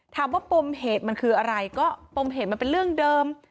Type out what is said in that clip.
ปมเหตุมันคืออะไรก็ปมเหตุมันเป็นเรื่องเดิม